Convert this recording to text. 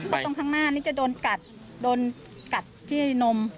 เพราะตรงข้างหน้านี่จะโดนกัดโดนกัดที่นม